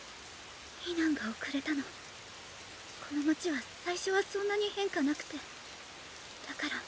避難が遅れたのこの街は最初はそんなに変化なくてだから。